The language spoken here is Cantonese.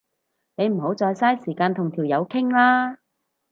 你唔好再嘥時間同條友傾啦